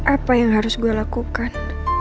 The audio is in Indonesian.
apa yang harus gue lakukan